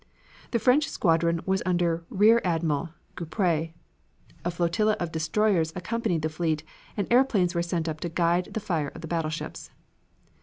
The French squadron was under Rear Admiral Gueprette. A flotilla of destroyers accompanied the fleet, and airplanes were sent up to guide the fire of the battleships.